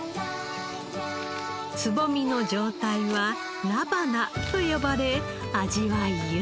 つぼみの状態は菜花と呼ばれ味わい豊か。